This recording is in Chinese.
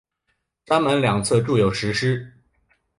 山门两侧筑有石狮。